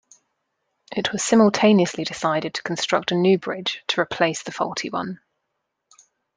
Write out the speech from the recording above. It was simultaneously decided to construct a new bridge to replace the faulty one.